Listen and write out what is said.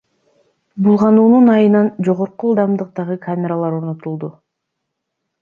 Булгануунун айынан жогорку ылдамдыктагы камералар орнотулду.